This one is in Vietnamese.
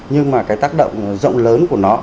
nhưng mà cái tác động rộng lớn của nó